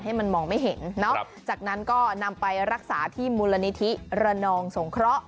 ให้มันมองไม่เห็นเนาะจากนั้นก็นำไปรักษาที่มูลนิธิระนองสงเคราะห